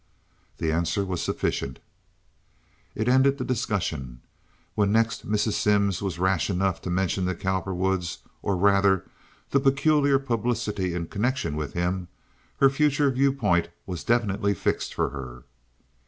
The answer was sufficient. It ended the discussion. When next Mrs. Simms was rash enough to mention the Cowperwoods, or, rather, the peculiar publicity in connection with him, her future viewpoint was definitely fixed for her.